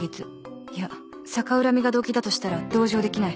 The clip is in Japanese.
いや逆恨みが動機だとしたら同情できない